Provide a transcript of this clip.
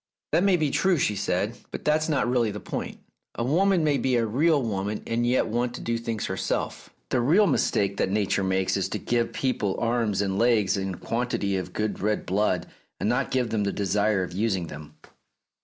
"That may be true," she said; "but that's not really the point. A woman may be a real woman and yet want to do things herself. The real mistake that Nature makes is to give people arms and legs and a quantity of good red blood, and not give them the desire of using them."